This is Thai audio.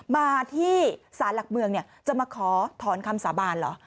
มาที่ศาลหลักเมืองจะมาขอถอนคำสาบานเหรอ